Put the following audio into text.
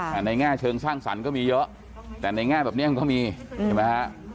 ฮะอ่าในง่ายเชิงสร้างศรรย์ก็มีเยอะแต่ในง่ายแบบนี้มันก็มียินไหมฮะ